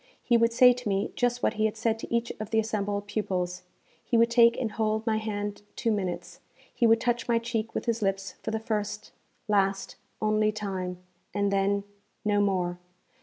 He would say to me just what he had said to each of the assembled pupils. He would take and hold my hand two minutes. He would touch my cheek with his lips for the first, last, only time, and then no more.